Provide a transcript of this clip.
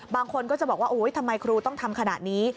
บางคนก็จะบอกว่าทำไมครูต้องทำขนาดนี้